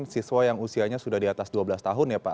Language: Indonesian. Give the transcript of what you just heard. siswa yang usianya sudah di atas dua belas tahun ya pak